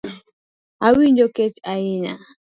Awinjo kech ahinya